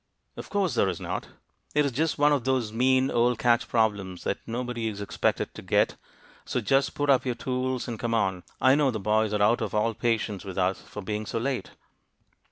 "Of course there is not! It is just one of those mean old catch problems that nobody is expected to get So just put up your tools, and come on. I know the boys are out of all patience with us for being so late."